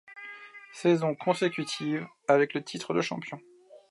Saisons consécutives avec le titre de champion.